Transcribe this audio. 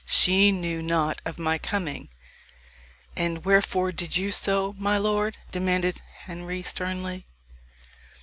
She knew not of my coming." "And wherefore did you so, my lord?" demanded Henry sternly.